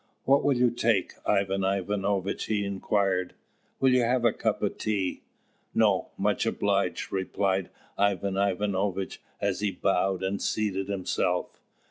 "What will you take, Ivan Ivanovitch?" he inquired: "will you have a cup of tea?" "No, much obliged," replied Ivan Ivanovitch, as he bowed and seated himself.